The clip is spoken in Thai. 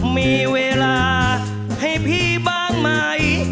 มีเวลาให้พี่บ้างไหม